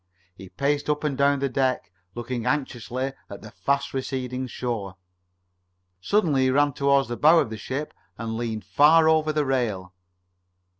He paced up and down the deck, looking anxiously at the fast receding shore. Suddenly he ran toward the bow of the ship and leaned far over the rail.